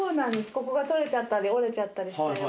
ここが取れちゃったり折れちゃったりした用に。